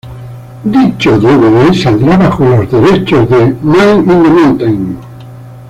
Dicho dvd saldrá bajo los derechos de "Man in The Mountain".